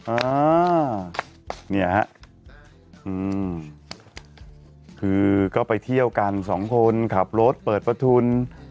อ่าเนี่ยฮะอืมคือก็ไปเที่ยวกันสองคนขับรถเปิดประทุน